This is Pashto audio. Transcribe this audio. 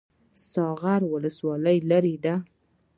ساغر ولسوالۍ لیرې ده؟